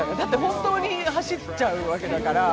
本当に走っちゃうわけだから。